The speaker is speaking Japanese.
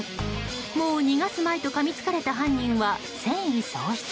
もう逃がすまいとかみつかれた犯人は戦意喪失。